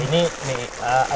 ini nih ada